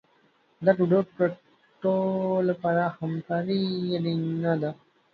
د ګډو ګټو لپاره همکاري اړینه ده.